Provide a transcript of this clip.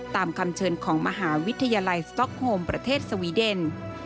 ตามคำเชิญของมหาวิทยาลัยสต๊อกโฮมประเทศสวีเดน